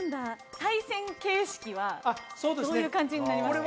対戦形式はどういう感じになりますか？